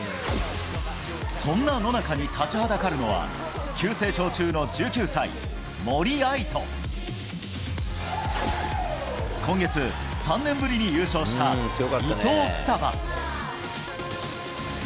そんな野中に立ちはだかるのは、急成長中の１９歳、森秋彩と、今月、３年ぶりに優勝した、伊藤ふたば。